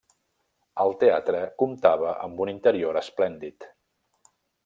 El teatre comptava amb un interior esplèndid.